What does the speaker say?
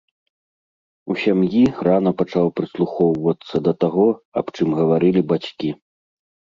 У сям'і я рана пачаў прыслухоўвацца да таго, аб чым гаварылі бацькі.